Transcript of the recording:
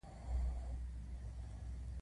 له دې پرته پانګوال اضافي ارزښت نشي ګټلی